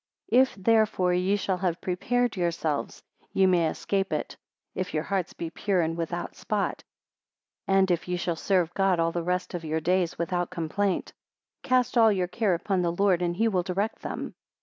20 If, therefore, ye shall have prepared yourselves, ye may escape it, if your hearts be pure and without spot; and if ye shall serve God all the rest of your days without complaint. 21 Cast all your care upon the Lord, and he will direct them.